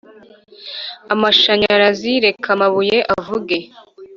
amashanyarazi? reka amabuye avuge